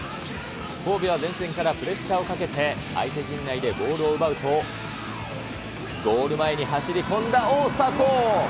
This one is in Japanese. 神戸は前線からプレッシャーをかけて相手陣内でボールを奪うと、ゴール前に走り込んだ大迫。